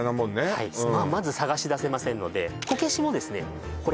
はいまず捜し出せませんのでだよね